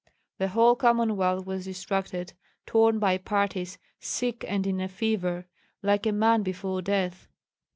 The whole Commonwealth was distracted, torn by parties, sick and in a fever, like a man before death.